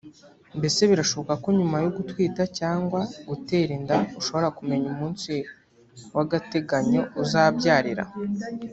Mbese birashoboka ko nyuma yo gutwita cyangwa gutera inda ushobora kumenya umunsi w’agateganyo uzabyarira